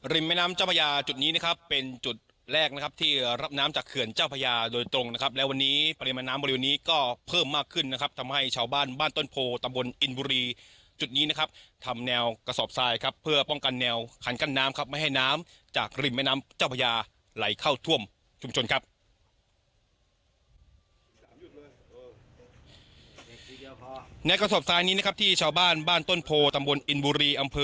แม่น้ำเจ้าพระยาจุดนี้นะครับเป็นจุดแรกนะครับที่รับน้ำจากเขื่อนเจ้าพญาโดยตรงนะครับและวันนี้ปริมาณน้ำบริเวณนี้ก็เพิ่มมากขึ้นนะครับทำให้ชาวบ้านบ้านต้นโพตำบลอินบุรีจุดนี้นะครับทำแนวกระสอบทรายครับเพื่อป้องกันแนวคันกั้นน้ำครับไม่ให้น้ำจากริมแม่น้ำเจ้าพญาไหลเข้าท่วมชุมชนครับ